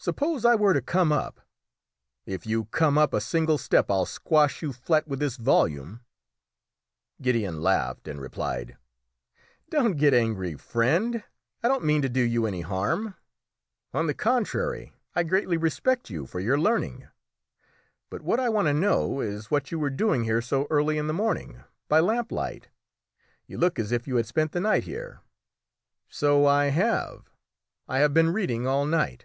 "Suppose I were to come up?" "If you come up a single step I'll squash you flat with this volume!" Gideon laughed, and replied "Don't get angry, friend; I don't mean to do you any harm; on the contrary, I greatly respect you for your learning; but what I want to know is what you are doing here so early in the morning, by lamplight? You look as if you had spent the night here." "So I have; I have been reading all night."